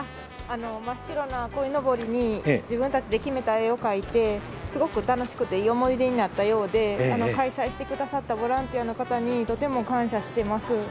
真っ白なこいのぼりに自分たちで決めた絵を描いてすごく楽しくて、いい思い出になったようで、開催してくださったボランティアの方にとても感謝しています。